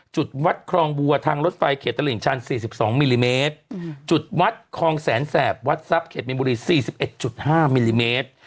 จุดวัดคลองบัวทางรถไฟเขตตลิ่งชัน๔๒มิลลิเมตรจุดวัดคลองแสนแสบวัดทรัพย์เขตมินบุรี๔๑๕มิลลิเมตร